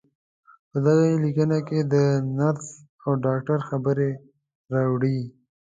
په دغې ليکنې کې د نرس او ډاکټر خبرې راوړې.